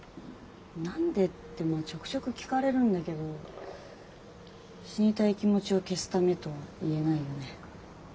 何でってまあちょくちょく聞かれるんだけど死にたい気持ちを消すためとは言えないよね。